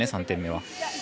３点目は。